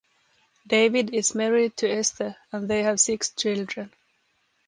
David is married to Esther and they have six children.